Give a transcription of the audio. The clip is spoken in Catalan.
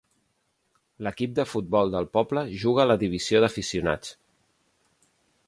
L'equip de futbol del poble juga a la divisió d'aficionats.